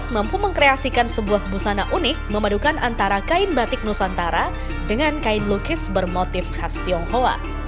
mampu mengkreasikan sebuah busana unik memadukan antara kain batik nusantara dengan kain lukis bermotif khas tionghoa